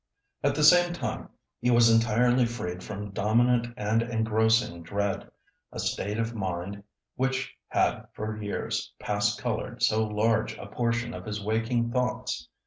At the same time, he was entirely freed from dominant and engrossing dread, a state of mind which had for years past coloured so large a portion of his waking thoughts.